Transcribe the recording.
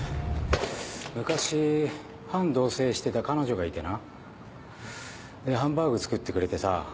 昔半同棲してた彼女がいてな。でハンバーグ作ってくれてさ。